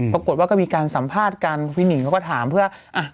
ปรากฏว่าก็มีการสัมภาษณ์กันพี่หนิงเขาก็ถามเพื่ออ่ะ